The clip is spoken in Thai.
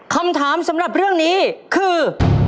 คำถามสำหรับเรื่องนี้คือ